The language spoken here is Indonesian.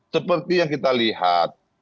seperti yang kita lihat